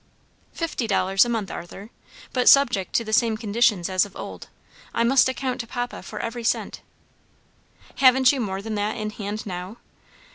"Fifty dollars a month, Arthur, but subject to the same conditions as of old. I must account to papa for every cent." "Haven't you more than that in hand now?"